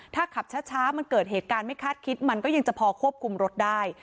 ถ้าขับช้ามันเกิดเหตุการณ์ไม่คาดคิดมันก็ยังจะพอควบคุมรถได้